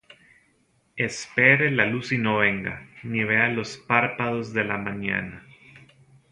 Espere la luz, y no venga, Ni vea los párpados de la mañana: